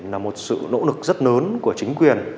là một sự nỗ lực rất lớn của chính quyền